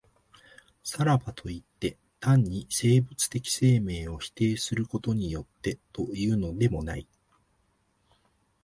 さらばといって、単に生物的生命を否定することによってというのでもない。